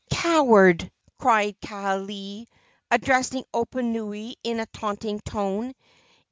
"Coward!" cried Kaaialii, addressing Oponui in a taunting tone.